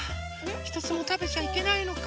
ひとつもたべちゃいけないのか。